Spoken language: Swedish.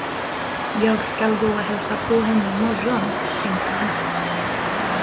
Jag skall gå och hälsa på henne i morgon, tänkte han.